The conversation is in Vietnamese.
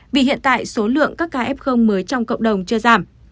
vì hiện tại số lượng các ca f mới trong cộng đồng chưa giảm